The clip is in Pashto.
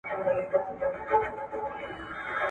شپه تر سهاره مي لېمه په الاهو زنګوم.